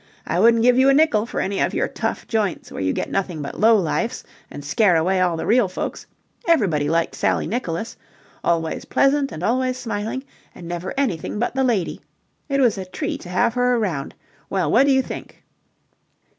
I wouldn't give you a nickel for any of your tough joints where you get nothing but low lifes and scare away all the real folks. Everybody liked Sally Nicholas. Always pleasant and always smiling, and never anything but the lady. It was a treat to have her around. Well, what do you think?"